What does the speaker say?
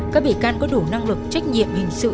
các bị can có đủ năng lực trách nhiệm hình sự